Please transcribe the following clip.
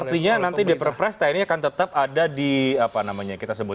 artinya nanti diperprestai ini akan tetap ada di apa namanya kita sebut